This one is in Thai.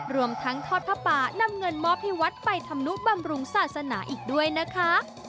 รวมทั้งทอดผ้าป่านำเงินมอบให้วัดไปทำนุบำรุงศาสนาอีกด้วยนะคะ